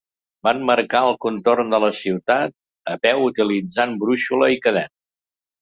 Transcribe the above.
Van marcar el contorn de la ciutat a peu utilitzant brúixola i cadena.